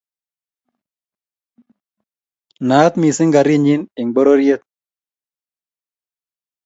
naat mising karinyin eng' bororiet.